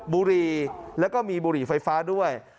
บุรีแล้วก็มีบุหรี่ไฟฟ้าด้วย